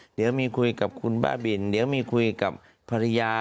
เดี๋ยวมีคุยกับคุณบ้าบินเดี๋ยวมีคุยกับภรรยา